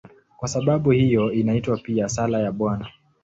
Kwa sababu hiyo inaitwa pia "Sala ya Bwana".